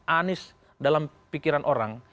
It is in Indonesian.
anies dalam pikiran orang